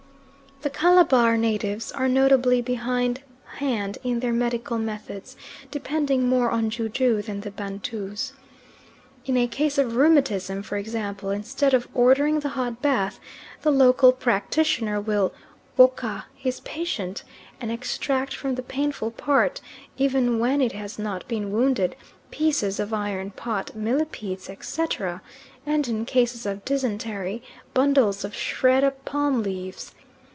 The Calabar natives are notably behindhand in their medical methods, depending more on ju ju than the Bantus. In a case of rheumatism, for example, instead of ordering the hot bath, the local practitioner will "woka" his patient and extract from the painful part, even when it has not been wounded, pieces of iron pot, millipedes, etc., and, in cases of dysentery, bundles of shred up palm leaves.